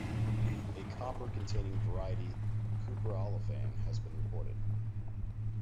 A copper containing variety "cupro-allophane" has been reported.